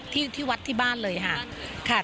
ที่วัดที่บ้านเลยค่ะ